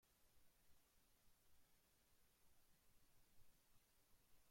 Pues era una reserva natural, es decir, un zoológico.